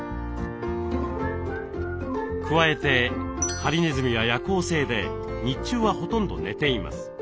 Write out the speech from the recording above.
加えてハリネズミは夜行性で日中はほとんど寝ています。